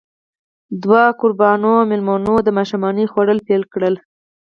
دوه کوربانو او مېلمنو د ماښامنۍ خوړل پيل کړل.